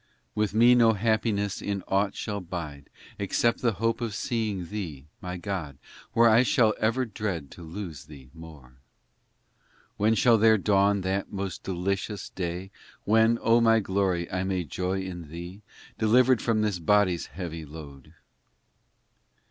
v With me no happiness in aught shall bide Except the hope of seeing Thee, my God, Where I shall never dread to lose Thee more. . vi When shall there dawn that most delicious day When, O my Glory, I may joy in Thee, Delivered from this body s heavy load